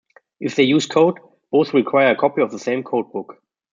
If they use a code, both will require a copy of the same codebook.